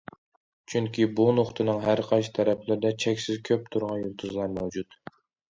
چۈنكى بۇ نۇقتىنىڭ ھەرقايسى تەرەپلىرىدە چەكسىز كۆپ تۇرغۇن يۇلتۇزلار مەۋجۇت.